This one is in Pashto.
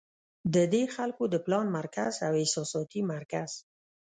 د دې خلکو د پلان مرکز او احساساتي مرکز